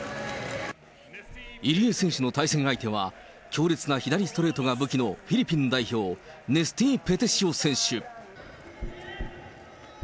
入江選手の対戦相手は、強烈な左ストレートが武器のフィリピン代表、ネスティー・ペテシオ選手。